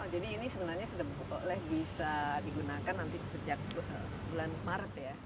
jadi ini sebenarnya sudah bisa digunakan nanti sejak bulan maret ya